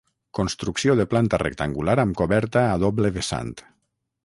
Construcció de planta rectangular amb coberta a doble vessant.